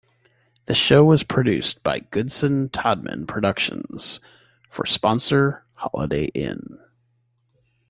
The show was produced by Goodson-Todman Productions for sponsor Holiday Inn.